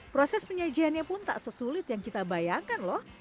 proses penyajiannya pun tak sesulit yang kita bayangkan loh